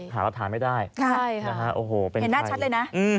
หารับถามไม่ได้นะฮะโอ้โหเป็นใครเห็นหน้าชัดเลยนะ